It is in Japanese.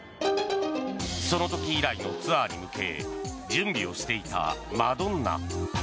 その時以来のツアーに向け準備をしていたマドンナ。